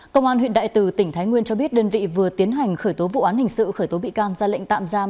công an huyện đại từ tỉnh thái nguyên cho biết đơn vị vừa tiến hành khởi tố vụ án hình sự khởi tố bị can ra lệnh tạm giam